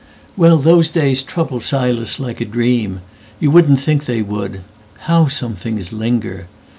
"Well, those days trouble Silas like a dream. You wouldn't think they would. How some things linger!